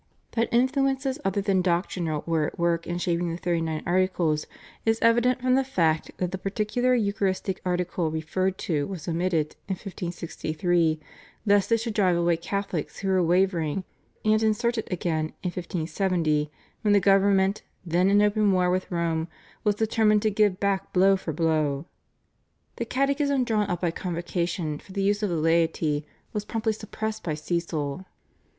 That influences other than doctrinal were at work in shaping the Thirty Nine Articles is evident from the fact that the particular Eucharistic Article referred to was omitted in 1563 lest it should drive away Catholics who were wavering, and inserted again in 1570 when the government, then in open war with Rome, was determined to give back blow for blow. The catechism drawn up by Convocation for the use of the laity was promptly suppressed by Cecil.